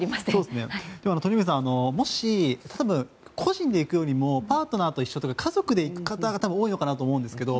鳥海さん、もし個人で行くよりもパートナーと一緒とか家族で行く方が多いのかなと思うんですけど